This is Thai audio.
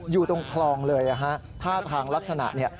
อยู่ตรงคลองเลยท่าทางลักษณะเนี่ย